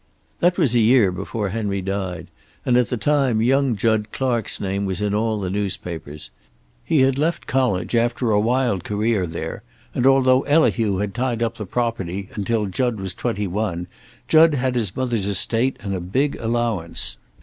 "That was a year before Henry died, and at the time young Jud Clark's name was in all the newspapers. He had left college after a wild career there, and although Elihu had tied up the property until Jud was twenty one, Jud had his mother's estate and a big allowance.